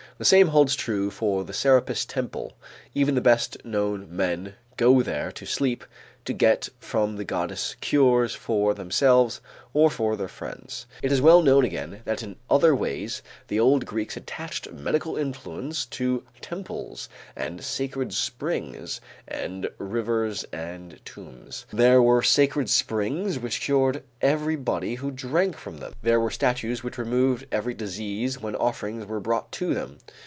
The same holds true for the Serapis temple; even the best known men go there to sleep to get from the goddess cures for themselves or for their friends. It is well known again that in other ways the old Greeks attached medical influence to temples and sacred springs and rivers and tombs. There were sacred springs which cured everybody who drank from them, there were statues which removed every disease when offerings were brought to them.